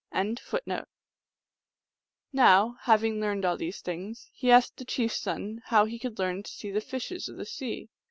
357 Now, having learned all these things, he asked the chief s son how he could learn to see the fishes of the sea.